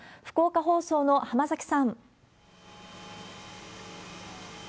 福岡放送の浜崎さん。